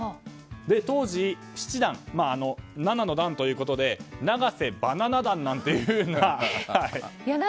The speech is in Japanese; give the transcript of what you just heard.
当時、七段七の段ということで永瀬バナナ段という。